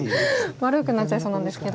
悪くなっちゃいそうなんですけど。